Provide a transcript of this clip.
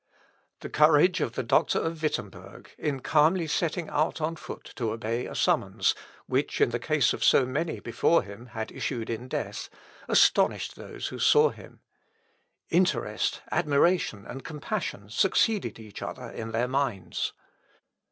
The courage of the doctor of Wittemberg, in calmly setting out on foot to obey a summons, which in the case of so many before him had issued in death, astonished those who saw him. Interest, admiration, and compassion, succeeded each other in their minds.